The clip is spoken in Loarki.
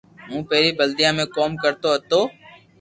ھون پيري بلديئا ۾ ڪوم ڪرتو ھتو